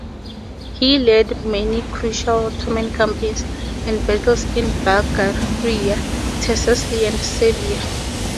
He led many crucial Ottoman campaigns and battles in Bulgaria, Thessaly, and Serbia.